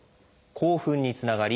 興奮につながり